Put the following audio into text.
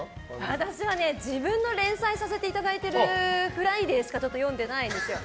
私は自分の連載させていただいてる「フライデー」しか読んでないですよ。